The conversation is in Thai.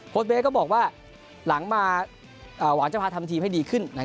เบสก็บอกว่าหลังมาหวังจะพาทำทีมให้ดีขึ้น